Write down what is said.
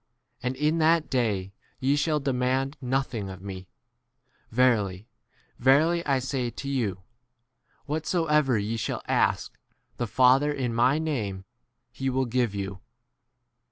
And in that day ye shall demand p nothing of me : ve rily, verily, I say to you, What soever ye shall aski the Father in my name, he will give you.